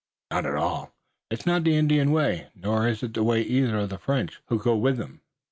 "Not at all. It's not the Indian way, nor is it the way either of the French, who go with them.